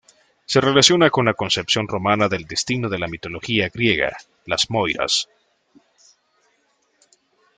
Se relaciona con la concepción romana del destino de la mitología griega, las Moiras.